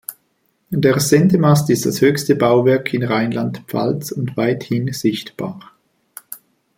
Der Sendemast ist das höchste Bauwerk in Rheinland-Pfalz und weithin sichtbar.